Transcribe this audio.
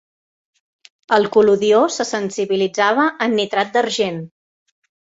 El col·lodió se sensibilitzava en nitrat d'argent.